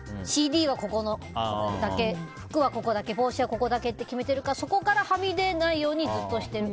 ＣＤはここだけ、服はここだけ帽子はここだけって決めてるからそこからはみ出ないようにずっとしてる。